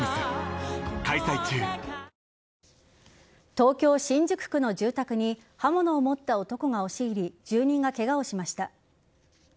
東京・新宿区の住宅に刃物を持った男が押し入り住人がケガをしました。